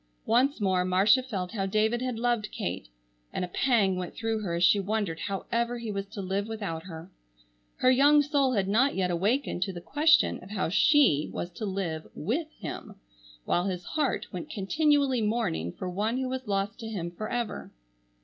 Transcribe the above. Once more Marcia felt how David had loved Kate and a pang went through her as she wondered however he was to live without her. Her young soul had not yet awakened to the question of how she was to live with him, while his heart went continually mourning for one who was lost to him forever.